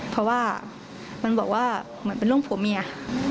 เพราะว่ามันบอกว่าเหมือนเป็นเรื่องผัวเมีย